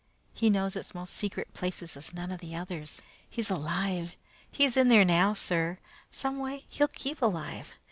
He knows its most secret places as none of the others. He's alive. He's in there now, sir. Some way he'll keep alive.